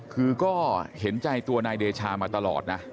คือก็เห็นใจตัวนายเดชามาตลอดนะ